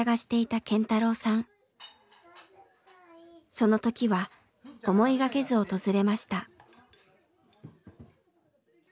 その時は思いがけず訪れました。